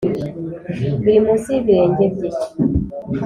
Biri munsi y’ibirenge bye .